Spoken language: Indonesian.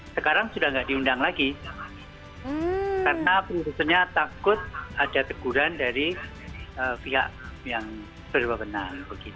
sekarang sudah tidak diundang lagi karena keputusannya takut ada teguran dari pihak yang berwenang